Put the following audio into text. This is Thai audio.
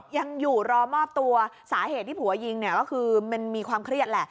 ยังอยู่รอมอบตัวสาเหตุที่ผัวยิงเนี่ยก็คือมันมีความเครียดแหละ